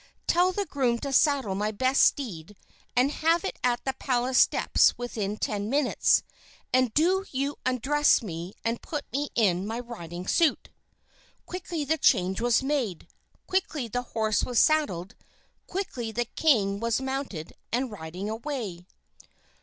"Tell the groom to saddle my best steed and have it at the palace steps within ten minutes, and do you undress me and put me in my riding suit." Quickly the change was made, quickly the horse was saddled, quickly the king was mounted and riding away.